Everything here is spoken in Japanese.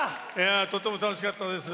とっても楽しかったです。